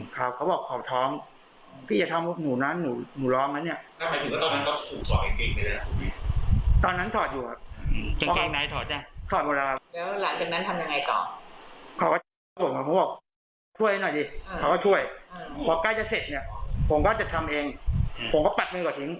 ถ้าเสร็จผมก็จะทำเองผมก็ปัดหนึ่งกว่าทิ้ง